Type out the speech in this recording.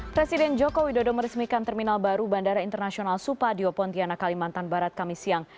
presiden joko widodo meresmikan terminal baru bandara internasional supadio pontianak kalimantan barat kami siang